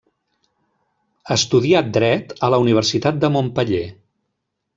Estudià Dret a la Universitat de Montpeller.